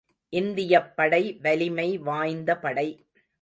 இந்தியப் படை வலிமை வாய்ந்த படை.